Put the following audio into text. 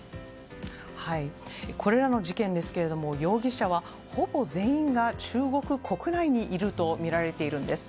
これらの事件容疑者はほぼ全員が中国国内にいるとみられています。